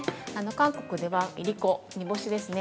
韓国では、いりこ、煮干しですね